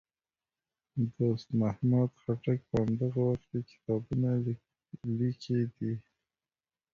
دوست محمد خټک په همدغه وخت کې کتابونه لیکي دي.